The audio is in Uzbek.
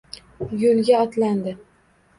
Yo`lga otlandi